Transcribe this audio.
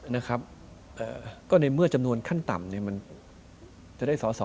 นะครับเอ่อก็ในเมื่อจำนวนขั้นต่ำเนี่ยมันจะได้สอสอ